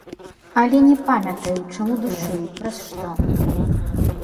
Але не памятаю, чаму душыў, праз што.